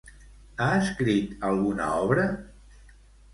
Ha escrit alguna obra?